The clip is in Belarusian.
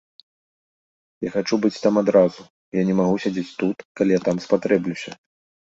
Я хачу быць там адразу, я не магу сядзець тут, калі я там спатрэблюся.